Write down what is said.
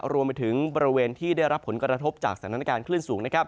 รวมไปถึงบริเวณที่ได้รับผลกระทบจากสถานการณ์คลื่นสูง